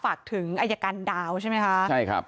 ฝากถึงอายการดาวใช่ไหมคะ